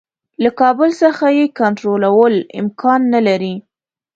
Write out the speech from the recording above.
له کابل څخه یې کنټرولول امکان نه لري.